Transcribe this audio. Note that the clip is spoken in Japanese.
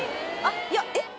あっいやえっ